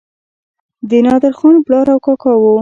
د نادرخان پلار او کاکا وو.